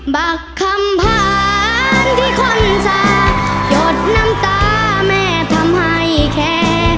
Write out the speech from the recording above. บักคำผ่านที่คนจะหยดน้ำตาแม่ทำให้แคร์